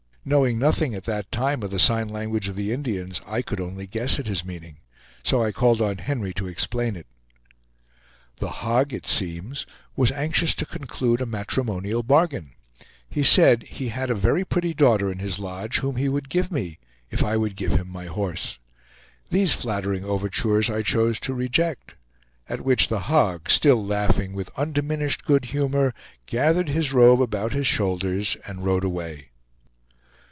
Knowing nothing at that time of the sign language of the Indians, I could only guess at his meaning. So I called on Henry to explain it. The Hog, it seems, was anxious to conclude a matrimonial bargain. He said he had a very pretty daughter in his lodge, whom he would give me, if I would give him my horse. These flattering overtures I chose to reject; at which The Hog, still laughing with undiminished good humor, gathered his robe about his shoulders, and rode away.